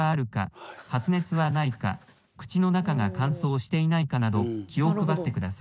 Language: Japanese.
発熱はないか口の中が乾燥していないかなど気を配ってください」。